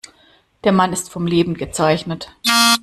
Der Mann ist vom Leben gezeichnet.